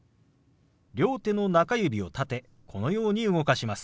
両手の中指を立てこのように動かします。